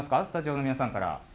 スタジオの皆さんから。